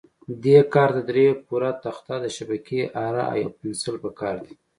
دې کار ته درې پوره تخته، د شبکې اره او پنسل په کار دي.